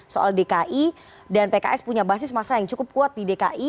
soal dki dan pks punya basis masa yang cukup kuat di dki